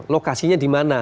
lokasinya di mana